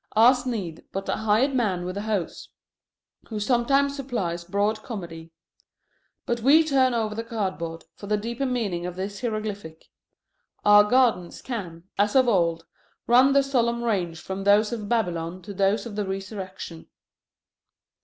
Ours needs but the hired man with the hose, who sometimes supplies broad comedy. But we turn over the cardboard, for the deeper meaning of this hieroglyphic. Our gardens can, as of old, run the solemn range from those of Babylon to those of the Resurrection.